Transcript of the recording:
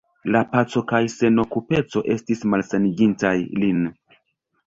La paco kaj senokupeco estis malsanigintaj lin.